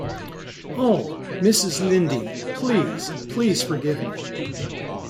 Oh, Mrs. Lynde, please, please, forgive me.